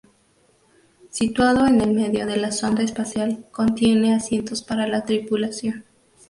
Situado en el medio de la sonda espacial, contiene asientos para la tripulación.